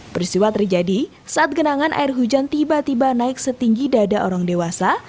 peristiwa terjadi saat genangan air hujan tiba tiba naik setinggi dada orang dewasa